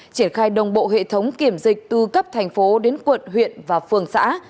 triển khai đồng bộ hệ thống kiểm dịch từ cấp thành phố đến quận huyện và phường xã